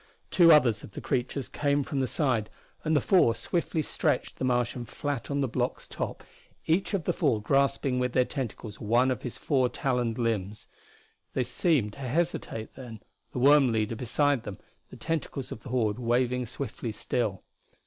Two others of the creatures came from the side, and the four swiftly stretched the Martian flat on the block's top, each of the four grasping with their tentacles one of his four taloned limbs. They seemed to hesitate then, the worm leader beside them, the tentacles of the horde waving swiftly still.